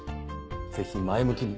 ぜひ前向きに。